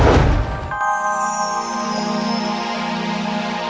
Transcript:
kita pasti bisa melukai mereka